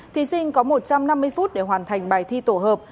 thí sinh có một trăm năm mươi phút để hoàn thành bài thi tổ hợp